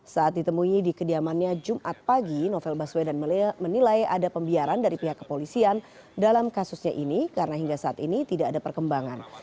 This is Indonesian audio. saat ditemui di kediamannya jumat pagi novel baswedan menilai ada pembiaran dari pihak kepolisian dalam kasusnya ini karena hingga saat ini tidak ada perkembangan